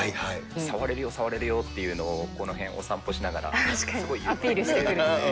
触れるよ、触れるよっていうのを、この辺、お散歩しながら、すごい言ってくる。